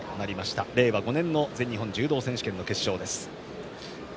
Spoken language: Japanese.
令和５年の全日本柔道選手権の決勝です。